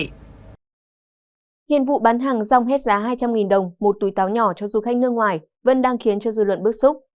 hiện vụ bán hàng rong hết giá hai trăm linh đồng một túi táo nhỏ cho du khách nước ngoài vẫn đang khiến cho dư luận bức xúc